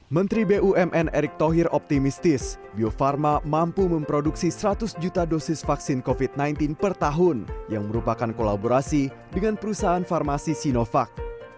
menteri bumn erick thohir optimistis bio farma mampu memproduksi seratus juta dosis vaksin covid sembilan belas per tahun yang merupakan kolaborasi dengan perusahaan farmasi sinovac